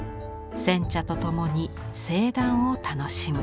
煎茶と共に清談を楽しむ。